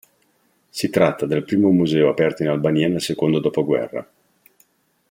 Si tratta del primo museo aperto in Albania nel secondo dopoguerra.